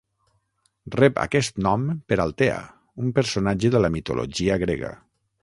Rep aquest nom per Altea, un personatge de la mitologia grega.